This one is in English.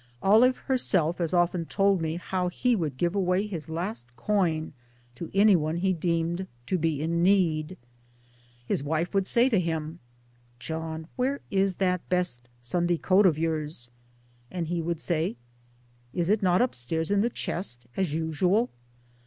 Olive herself has often told me how he would give away his last coin to any one he deemed to be in need. His wife would say to him :" John, where is that best Sunday coat of yours? " And he would say :" Is it not upstairs in the chest, as usual?